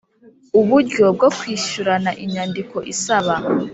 Uburyo bwo kwishyurana inyandiko isaba